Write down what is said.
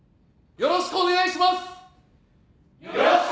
よろしくお願いします！